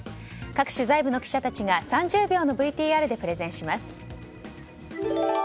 各取材部の記者たちが３０秒のＶＴＲでプレゼンします。